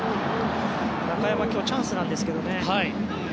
中山、今日チャンスなんですけどね。